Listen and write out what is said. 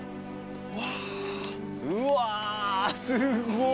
うわすごっ。